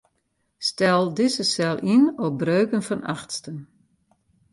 Stel dizze sel yn op breuken fan achtsten.